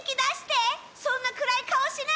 そんな暗い顔しないで！